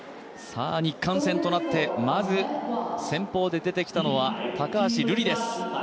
日韓戦となってまず先ぽうで出てきたのは高橋瑠璃です。